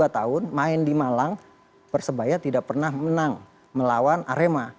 dua tahun main di malang persebaya tidak pernah menang melawan arema